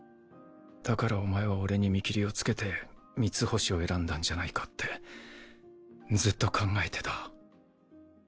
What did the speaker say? だからお前は俺に見切りをつけてミツホシを選んだんじゃないかってずっと考えてた。